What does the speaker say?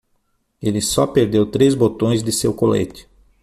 Ele só perdeu três botões de seu colete.